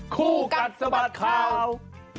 คู่กัดสะบัดข่าว